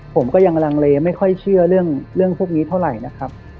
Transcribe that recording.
ผมก็ยังลังเลไม่ค่อยเชื่อเรื่องพวกนี้เท่าไหร่นะครับ